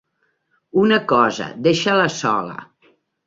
Una cosa: deixa-la sola.